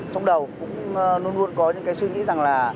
trong đầu cũng luôn luôn có những cái suy nghĩ rằng là